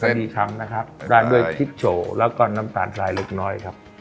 เป็นสัสดีคำนะครับร้านด้วยชิกโชห์แล้วก็น้ำสารไซด์เล็กน้อยครับ